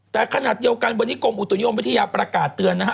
แต่ขณะเดียวกันวันนี้กรมอุตุนิยมวิทยาประกาศเตือนนะฮะ